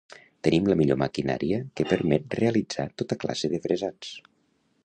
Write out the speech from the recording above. Tenim la millor maquinària que permet realitzar tota classe de fresats.